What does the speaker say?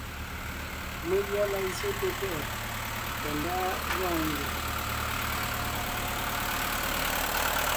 Megʉa la zsyete pɛ́ʼɛ Tàndáʼa gɔɔn ngie.